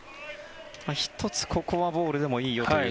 １つ、ここはボールでもいいよという。